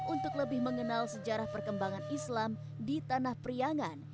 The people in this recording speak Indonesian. untuk lebih mengenal sejarah perkembangan islam di tanah priangan